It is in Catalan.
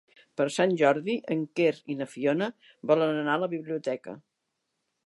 Per Sant Jordi en Quer i na Fiona volen anar a la biblioteca.